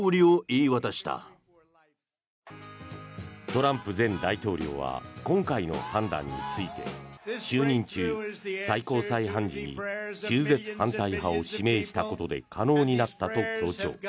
トランプ前大統領は今回の判断について就任中、最高裁判事に中絶反対派を指名したことで可能になったと強調。